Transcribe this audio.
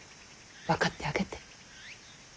分かってあげて。